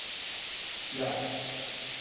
醮